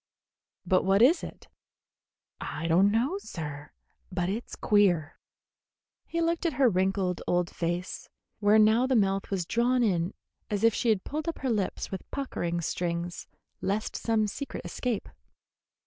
"But what is it?" "I don't know, sir; but it's queer." He looked at her wrinkled old face, where now the mouth was drawn in as if she had pulled up her lips with puckering strings lest some secret escape.